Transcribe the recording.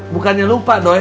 bukannya lupa doi